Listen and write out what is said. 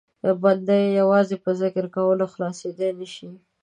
بنده یې یوازې په ذکر کولو خلاصېدای نه شي.